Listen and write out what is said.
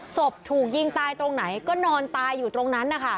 ถูกยิงตายตรงไหนก็นอนตายอยู่ตรงนั้นนะคะ